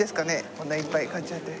こんないっぱい買っちゃって。